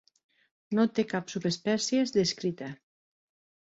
No té cap subespècie descrita.